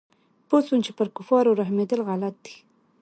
پوه سوم چې پر کفارو رحمېدل غلط دي.